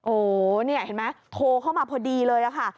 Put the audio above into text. โอ้โหนี่เห็นไหมโทรเข้ามาพอดีเลยค่ะ